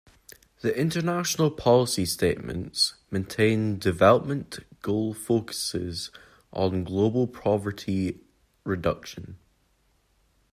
The International Policy Statement's main development goal focuses on global poverty reduction.